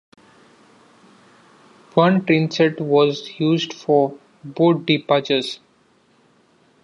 One trainset was used for both departures.